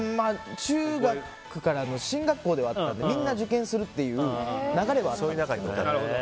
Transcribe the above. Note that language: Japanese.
中学から進学校ではあったんですけどみんな受験するっていう流れはあったんですよ。